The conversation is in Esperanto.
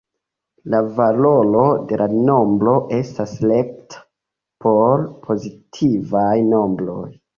La valoro de la nombro estas rekta por pozitivaj nombroj.